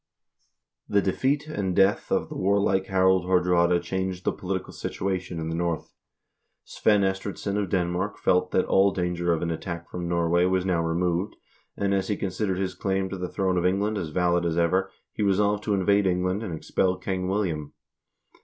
The defeat and death of the warlike Harakl Haardraade changed the political situation in the North. Svein Estridsson of Denmark felt that all danger of an attack from Norway was now removed, and as he considered his claim to the throne of England as valid as ever, he resolved to invade England and expel King William.